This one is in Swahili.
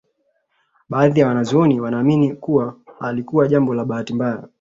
Baadhi ya wanazuoni wanaamini kuwa halikuwa jambo la bahati mbaya